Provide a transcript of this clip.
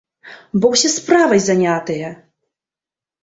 Бо ўсе справай занятыя!